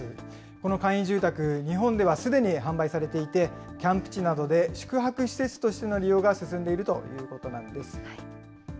この簡易住宅、日本ではすでに販売されていて、キャンプ地などで宿泊施設としての利用が進んでいるということなんです。